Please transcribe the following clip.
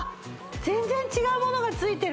全然違うものがついてる